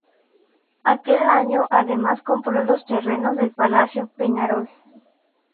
Aquel año además compró los terrenos del Palacio Peñarol.